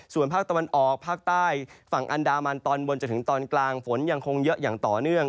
ส่วนภาคตะวันออกภาคใต้ฝั่งอันดามันตอนบนจนถึงตอนกลางฝนยังคงเยอะอย่างต่อเนื่อง